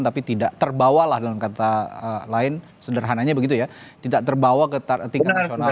tapi tidak terbawalah dalam kata lain sederhananya begitu ya tidak terbawa ke tingkat nasional